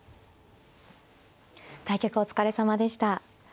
対局お疲れさまでした。